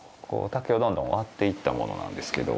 竹をどんどん割っていったものなんですけど。